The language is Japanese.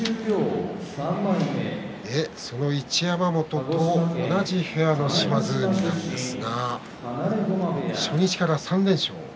その一山本と同じ部屋の島津海ですが初日から３連勝